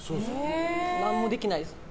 何もできないです。